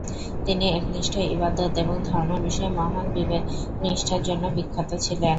তিনি একনিষ্ঠ ইবাদত এবং ধর্ম বিষয়ে মহান বিবেকনিষ্ঠার জন্যে বিখ্যাত ছিলেন।